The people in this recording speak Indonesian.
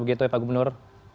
begitu ya pak gubernur